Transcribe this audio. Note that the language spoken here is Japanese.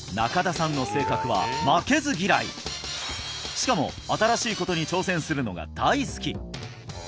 しかも新しいことに挑戦するのが大好き！